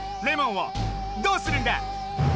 レモンをどうするんだ！